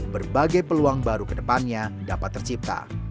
berbagai peluang baru kedepannya dapat tercipta